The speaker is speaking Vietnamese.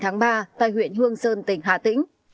tháng ba tại huyện hương sơn tỉnh hà tĩnh